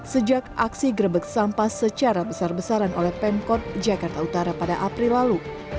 sejak aksi grebek sampah secara besar besaran oleh pemkot jakarta utara pada april lalu